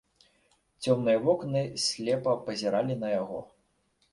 Цёмныя вокны слепа пазіралі на яго.